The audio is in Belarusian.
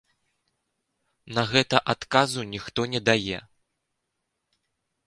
На гэта адказу ніхто не дае.